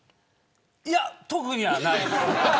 いや、特にはない。